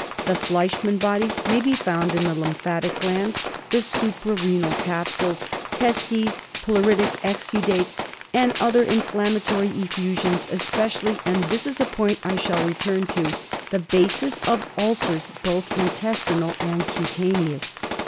Thus Leishman bodies* may be found in the lymphatic glands, the supra renal capsules, testes, pleuritic exudates, and other inflamma ' tory effusions especially — and this is a point I shall return! to — the bases of ulcers both intestinal and cutaneous.